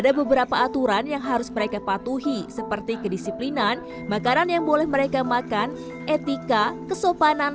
ada beberapa aturan yang harus mereka patuhi seperti kedisiplinan makanan yang boleh mereka makan etika kesopanan